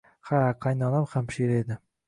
Ha, qaynonam hamshira edi